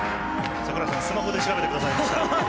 櫻井さん、スマホで調べてくださいました。